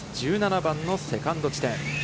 １７番のセカンド地点。